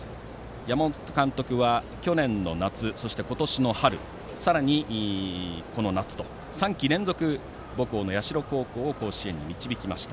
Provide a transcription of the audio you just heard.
山本監督は去年の夏そして今年の春さらに、この夏と３季連続、母校の社高校を甲子園に導きました。